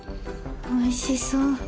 おいしそう。